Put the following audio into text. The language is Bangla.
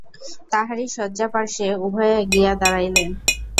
তাহারই শয্যাপার্শ্বে উভয়ে গিয়া দাঁড়াইলেন।